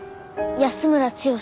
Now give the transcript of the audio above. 安村剛。